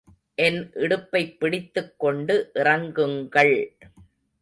என் இடுப்பைப் பிடித்துக் கொண்டு இறங்குங்கள்.